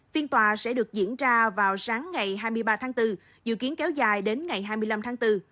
phiên tòa sẽ được diễn ra vào sáng ngày hai mươi ba tháng bốn dự kiến kéo dài đến ngày hai mươi năm tháng bốn